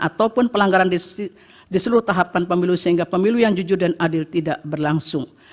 ataupun pelanggaran di seluruh tahapan pemilu sehingga pemilu yang jujur dan adil tidak berlangsung